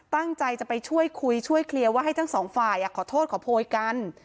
ตั้งใจจะไปช่วยคุยช่วยเคลียร์ว่าให้ทั้งสองฝ่ายขอโทษขอโพยกัน